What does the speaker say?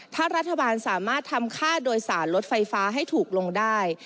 ถ้ารัฐบาลสามารถทำค่าโดยสารรถไฟฟ้าให้ถูกลงได้